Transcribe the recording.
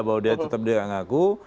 bahwa dia tetap tidak mengaku